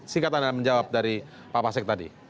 singkatan menjawab dari pak pak sek tadi